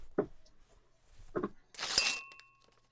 多刺仿刺铠虾为铠甲虾科仿刺铠虾属下的一个种。